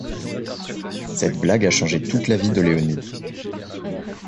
Cette blague a changé toute la vie de Leonid.